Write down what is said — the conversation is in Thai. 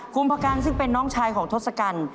คุณพกันซึ่งเป็นน้องชายของทศกัณฐ์